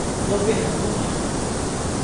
Doverlândia